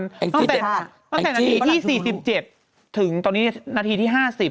ตั้งแต่นาทีที่๔๗ถึงตอนนี้นาทีที่๕๐